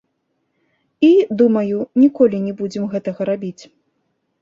І, думаю, ніколі не будзем гэтага рабіць.